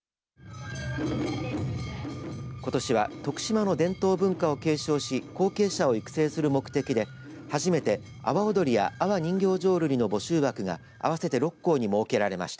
ことしは徳島の伝統文化を継承し後継者を育成する目的で初めて阿波踊りや阿波人形浄瑠璃の募集枠が合わせて６校に設けられました。